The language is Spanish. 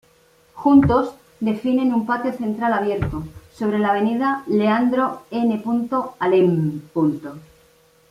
Juntos definen un patio central abierto, sobre la avenida Leandro N. Alem.